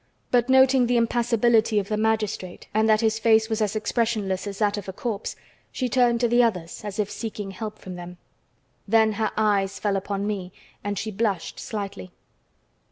But noting the impassibility of the magistrate and that his face was as expressionless as that of a corpse, she turned to the others, as if seeking help from them. Then her eyes fell upon me, and she blushed slightly.